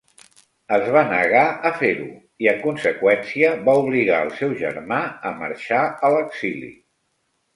Es va negar a fer-ho i, en conseqüència va obligar el seu germà a marxar a l'exili.